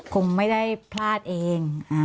คงไม่ได้พลาดเอง